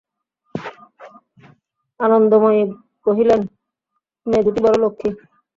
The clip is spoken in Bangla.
আনন্দময়ী কহিলেন, মেয়ে দুটি বড়ো লক্ষ্ণী।